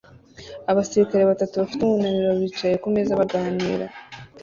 abasirikare batatu bafite umunaniro bicaye kumeza baganira